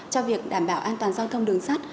cho việc đảm bảo an toàn giao thông đường sắt